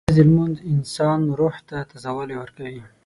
• د ورځې لمونځ د انسان روح ته تازهوالی ورکوي.